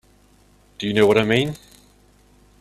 Do you know what I mean?